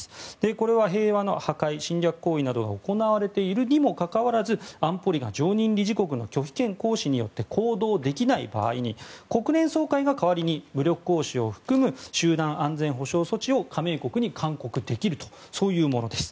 これは平和の破壊侵略行為などが行われているにもかかわらず安保理が常任理事国の拒否権行使によって行動できない場合に国連総会が代わりに武力行使を含む集団安全保障措置を加盟国に勧告できるというものです。